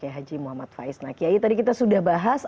haji muhammad faiz nakyayi tadi kita sudah bahas